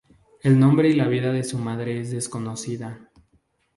El nombre y la vida de su madre es desconocida.